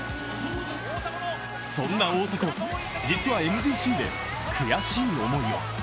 そんな大迫、実はＭＧＣで悔しい思いを。